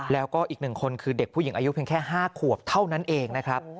แล้วก็อีก๑คนคือเด็กผู้หญิงอายุเพียงแค่๕ขวบเท่านั้นเองนะครับ